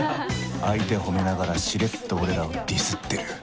相手褒めながらしれっと俺らをディスってる